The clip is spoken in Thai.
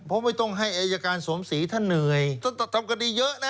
ผมไม่ต้องให้อย่างการสวมศรีถ้าเหนื่อยต้องกระดีต์เยอะนะ